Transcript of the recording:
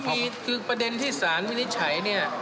ก็มีคือประเด็นที่ศาลวินิจฉัย